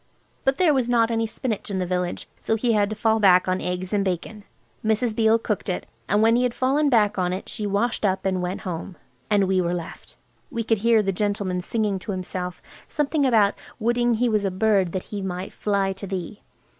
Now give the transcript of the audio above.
But there was not any spinach in the village, so he had to fall back on eggs and bacon. Mrs. Beale cooked it, and when he had fallen back on it she washed up and went home. And we were left. We could hear the gentleman singing to himself, something about woulding he was a bird that he might fly to thee.